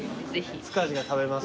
塚地が食べます。